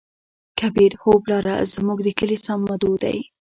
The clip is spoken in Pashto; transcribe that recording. کبير : هو پلاره زموږ د کلي صمدو دى.